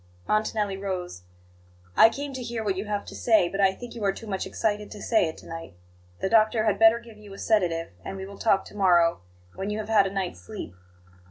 Montanelli rose. "I came to hear what you have to say; but I think you are too much excited to say it to night. The doctor had better give you a sedative, and we will talk to morrow, when you have had a night's sleep."